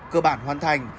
cơ bản hoàn thành